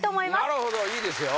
なるほどいいですよ。